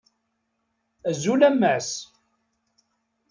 Azul a Mass!